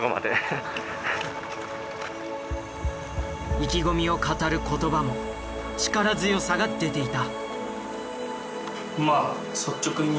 意気込みを語る言葉も力強さが出ていた。